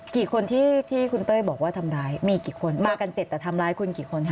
กี่คนที่ที่คุณเต้ยบอกว่าทำร้ายมีกี่คนมากันเจ็ดแต่ทำร้ายคุณกี่คนคะ